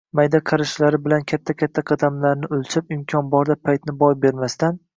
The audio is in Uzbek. Mayda qarichlari bilan katta-katta qadamlarni o‘lchab, imkon borida paytni boy bermasdan